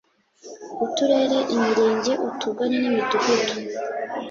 Uturere imirenge utugari n imidugudu